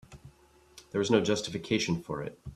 There was no justification for it.